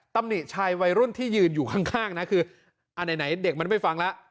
หนิชายวัยรุ่นที่ยืนอยู่ข้างนะคืออ่าไหนเด็กมันไม่ฟังแล้ว